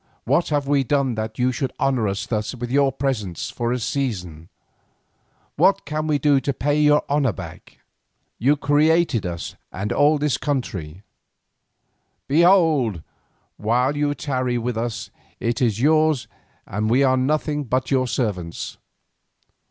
What have we done that you should honour us thus with your presence for a season? What can we do to pay the honour back? You created us and all this country; behold! while you tarry with us, it is yours and we are nothing but your servants.